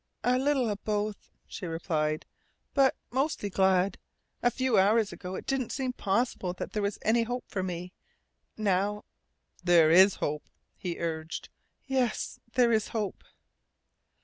"A little of both," she replied. "But mostly glad. A few hours ago it didn't seem possible that there was any hope for me. Now " "There is hope," he urged. "Yes, there is hope."